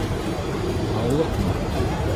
— Һаулыҡмы?